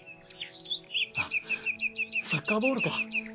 あっサッカーボールか。